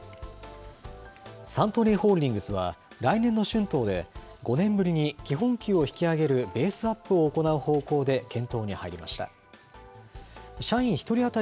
サントリーホールディングスは、来年の春闘で、５年ぶりに基本給を引き上げるベースアップを行う方向で検討に入りました。